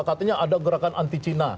katanya ada gerakan anti cina